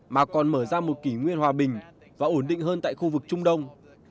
mà còn mở ra một kỷ nguyên hòa bình và ổn định hơn tại khu vực trung đông